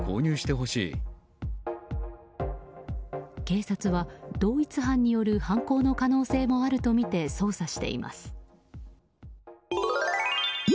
警察は同一犯による犯行の可能性もあるとみて捜査しています。